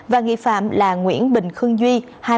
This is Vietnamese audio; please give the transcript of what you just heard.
và nghi phạm là nguyễn bình khương duy